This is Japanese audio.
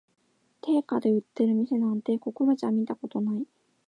定価で売ってる店なんて、ここらじゃ見たことない